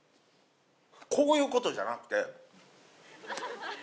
こういうことじゃなくて。